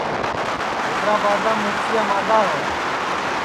حیدرابادام مُرچیا مادَا ہے